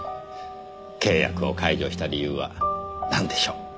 契約を解除した理由はなんでしょう？